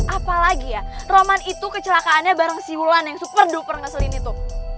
apalagi ya roman itu kecelakaannya bareng siulan yang super duper ngeselin itu